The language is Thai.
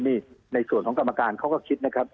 นี่ในส่วนของกรรมการเขาก็คิดนะครับ